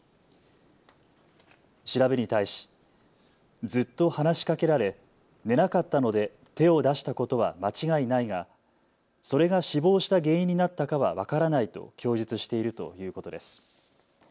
調べに対しずっと話しかけられ寝なかったので手を出したことは間違いないが、それが死亡した原因になったかは分からないと供述しているということです。